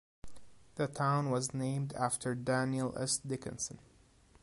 The town was named after Daniel S. Dickinson.